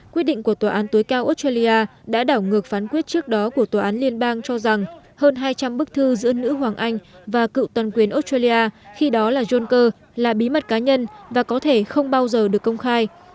quyết định của tòa án tối cao australia đã đảo ngược phán quyết trước đó của tòa án liên bang cho rằng hơn hai trăm linh bức thư giữa nữ hoàng anh và cựu toàn quyền australia khi đó là john kerr là bí mật cá nhân và có thể không bao giờ được công khai